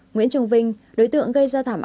nguyễn trung vinh đối tượng gây ra thảm bảo